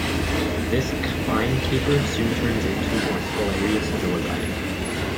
This crime caper soon turns into one hilarious joy ride!